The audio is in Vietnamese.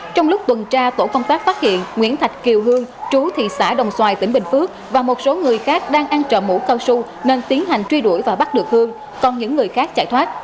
trong lúc tuần tra tổ công tác phát hiện nguyễn thạch kiều hương chú thị xã đồng xoài tỉnh bình phước và một số người khác đang ăn trợ mũ cao su nên tiến hành truy đuổi và bắt được hương còn những người khác chạy thoát